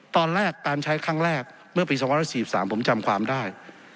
ตอนแรกการใช้ครั้งแรกเมื่อปี๒๔๓ผมจำความได้